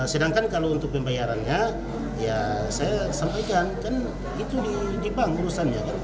sedangkan kalau untuk pembayarannya saya sampaikan itu di bank urusannya